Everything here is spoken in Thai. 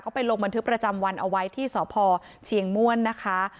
ไปลงบันทึกประจำวันเอาไว้ที่สพเชียงม่วนนะคะ